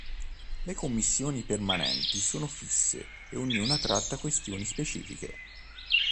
Le commissioni permanenti sono fisse e ognuna tratta questioni specifiche.